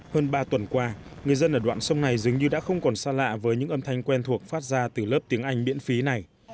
hơn ba tuần qua người dân ở đoạn sông này dường như đã không còn xa lạ với những âm thanh quen thuộc phát ra từ lớp tiếng anh miễn phí này